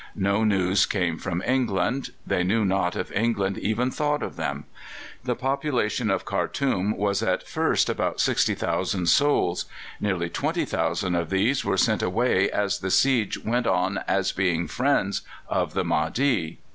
No news came from England; they knew not if England even thought of them. The population of Khartoum was at first about 60,000 souls; nearly 20,000 of these were sent away as the siege went on as being friends of the Mahdi.